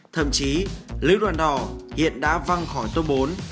thậm chí lưới đoàn đỏ hiện đã văng khỏi tốt bốn